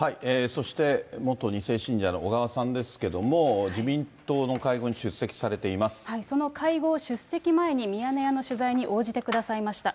そして、元２世信者の小川さんですけども、自民党の会合に出その会合出席前に、ミヤネ屋の取材に応じてくださいました。